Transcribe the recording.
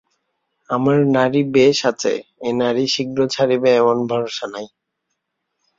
আমার নাড়ি বেশ আছে–এ নাড়ি শীঘ্র ছাড়িবে এমন ভরসা নাই।